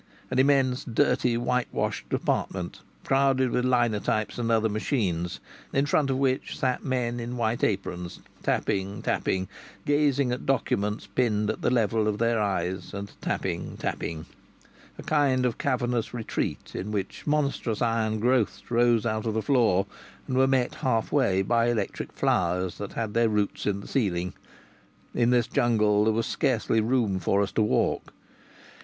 An immense, dirty, white washed apartment crowded with linotypes and other machines, in front of which sat men in white aprons, tapping, tapping gazing at documents pinned at the level of their eyes and tapping, tapping. A kind of cavernous retreat in which monstrous iron growths rose out of the floor and were met half way by electric flowers that had their roots in the ceiling! In this jungle there was scarcely room for us to walk.